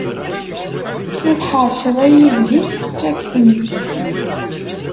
I tḥeṛceḍ ay Iblis, tečča-k tmes.